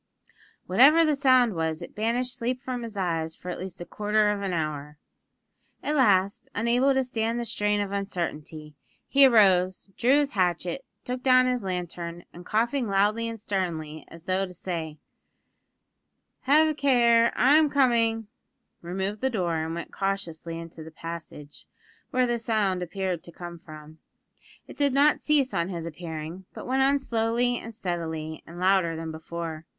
Whatever the sound was, it banished sleep from his eyes for at least a quarter of an hour. At last, unable to stand the strain of uncertainty, he arose, drew his hatchet, took down his lantern, and, coughing loudly and sternly as though to say: "Have a care, I'm coming!" removed the door and went cautiously into the passage, where the sound appeared to come from. It did not cease on his appearing; but went on slowly and steadily, and louder than before.